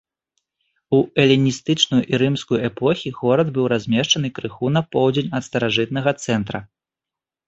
У эліністычную і рымскую эпохі горад быў размешчаны крыху на поўдзень ад старажытнага цэнтра.